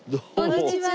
こんにちは。